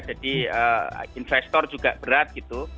jadi investor juga berat gitu